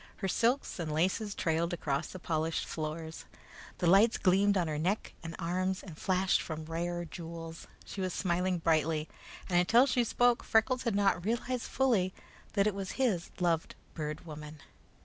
Her silks and laces trailed across the polished floors. The lights gleamed on her neck and arms, and flashed from rare jewels. She was smiling brightly; and until she spoke, Freckles had not realized fully that it was his loved Bird Woman.